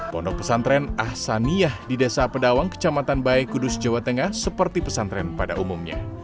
pondok pesantren ahsaniyah di desa pedawang kecamatan bayi kudus jawa tengah seperti pesantren pada umumnya